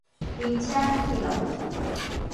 行車記錄器